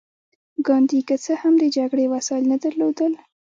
ګاندي که څه هم د جګړې وسايل نه درلودل.